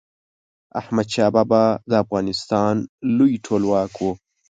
احمد شاه بابا د افغانستان لوی ټولواک و.